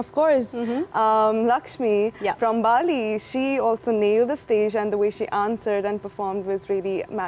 dan tentu saja lakshmi dari bali dia juga menangkan panggilan dan cara dia menjawab dan berpersembah sangat magis